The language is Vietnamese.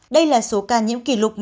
đây là số ca nhiễm kỷ lục